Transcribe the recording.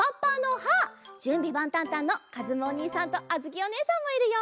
「じゅんびばんたんたん！」のかずむおにいさんとあづきおねえさんもいるよ！